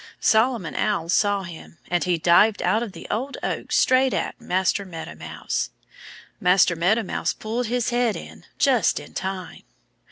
Solomon Owl saw him. And he dived out of the old oak straight at Master Meadow Mouse. Master Meadow Mouse pulled his head in just in time.